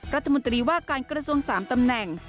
รัฐมนตรีว่าการกระทรวง๓ตำแหน่ง